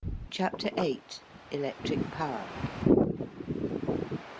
CHAPTER VIII. ELECTRIC POWER.